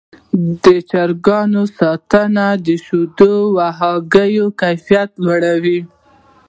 د چرګانو ساتنه د شیدو او هګیو کیفیت لوړوي.